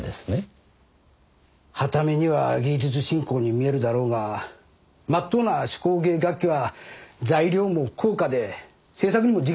はた目には芸術振興に見えるだろうがまっとうな手工芸楽器は材料も高価で製作にも時間がかかる。